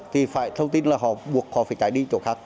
thì phải thông tin là họ buộc họ phải trải đi chỗ khác